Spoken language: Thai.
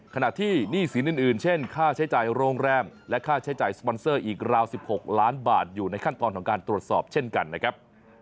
หนี้สินอื่นเช่นค่าใช้จ่ายโรงแรมและค่าใช้จ่ายสปอนเซอร์อีกราว๑๖ล้านบาทอยู่ในขั้นตอนของการตรวจสอบเช่นกันนะครับ